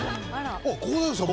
ここだけですか！？